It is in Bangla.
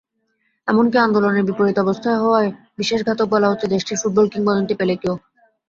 এমনকি আন্দোলনের বিপরীত অবস্থান হওয়ায় বিশ্বাসঘাতক বলা হচ্ছে দেশটির ফুটবল কিংবদন্তি পেলেকেও।